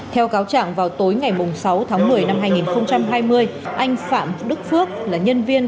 theo cáo trạng vào tối ngày sáu tháng một mươi năm hai nghìn hai mươi anh phạm đức phước là nhân viên